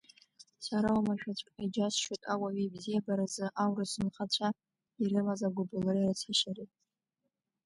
Сара омашәаҵәҟьа иџьасшьоит ауаҩы ибзиабаразы аурыс нхацәа ирымаз агәыблыреи арыцҳашьареи.